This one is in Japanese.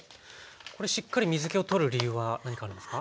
これしっかり水けを取る理由は何かあるんですか？